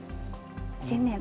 新年。